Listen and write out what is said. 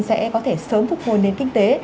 sẽ có thể sớm phục hồi đến kinh tế